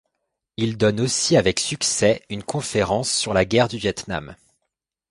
Il donne aussi avec succès, une conférence sur la guerre du Vietnam.